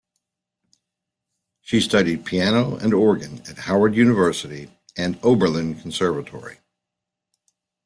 She studied piano and organ at Howard University and Oberlin Conservatory.